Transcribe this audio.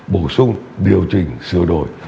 bổ sung điều chỉnh sửa đổi